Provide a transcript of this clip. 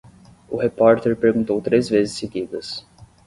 O repórter perguntou três vezes seguidas.